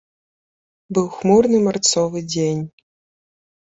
Быў хмурны марцовы дзень.